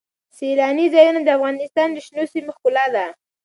سیلاني ځایونه د افغانستان د شنو سیمو ښکلا ده.